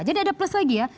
jadi ada plus lagi ya